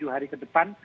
tujuh hari ke depan